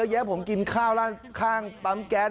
แย้ผมกินข้าวข้างปั๊มแก๊ส